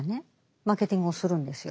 マーケティングをするんですよ。